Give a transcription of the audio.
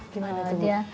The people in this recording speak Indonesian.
gimana tuh bu